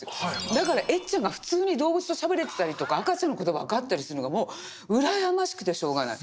だからエッちゃんが普通に動物としゃべれてたりとか赤ちゃんの言葉が分かったりするのがもう羨ましくてしょうがない。